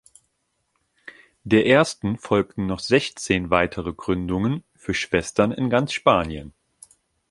Der ersten folgten noch sechzehn weitere Gründungen für Schwestern in ganz Spanien.